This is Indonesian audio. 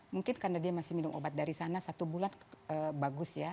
mungkin karena dia masih minum obat dari sana satu bulan bagus ya